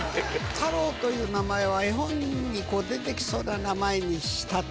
太郎という名前は、絵本に出てきそうな名前にしたと。